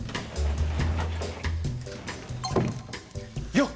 よっ！